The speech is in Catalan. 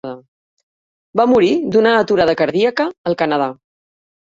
Va morir d'una aturada cardíaca al Canadà.